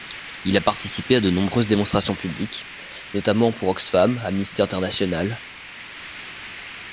Il a participé à de nombreuses démonstrations publiques, notamment pour Oxfam, Amnesty International...